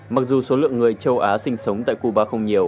mặc dù số lượng người châu á sinh sống tại cuba không nhiều